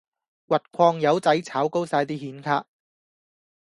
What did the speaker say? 挖礦友仔炒高哂啲顯卡